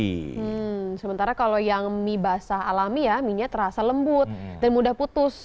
hmm sementara kalau yang mie basah alami ya mie nya terasa lembut dan mudah putus